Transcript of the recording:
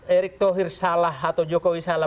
erick thohir salah atau jokowi salah